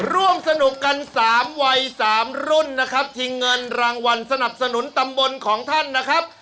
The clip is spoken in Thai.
ร่วมสนุกกัน๓วัย๓รุ่นนะครับทิ้งเงินรางวัลสนับสนุนตำบลของท่านนะครับ